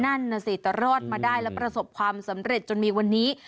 นั่นน่ะสิแต่รอดมาได้และประสบความสำเร็จจนมีวันนี้